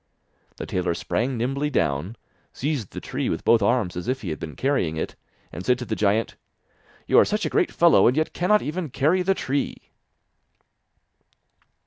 The tailor sprang nimbly down, seized the tree with both arms as if he had been carrying it, and said to the giant: 'You are such a great fellow, and yet cannot even carry the tree!